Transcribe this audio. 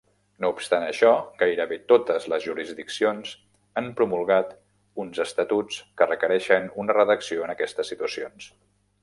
No obstant això, gairebé totes les jurisdiccions han promulgat uns estatuts que requereixen una redacció en aquestes situacions.